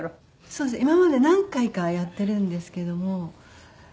そうですね今まで何回かやってるんですけども。